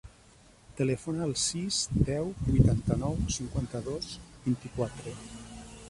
Telefona al sis, deu, vuitanta-nou, cinquanta-dos, vint-i-quatre.